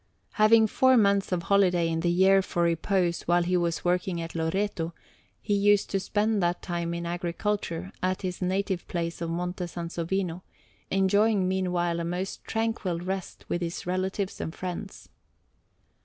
Having four months of holiday in the year for repose while he was working at Loreto, he used to spend that time in agriculture at his native place of Monte Sansovino, enjoying meanwhile a most tranquil rest with his relatives and friends.